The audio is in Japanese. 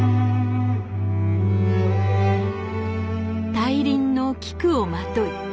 大輪の菊をまとい